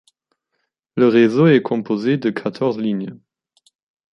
Le réseau est composé de quatorze lignes.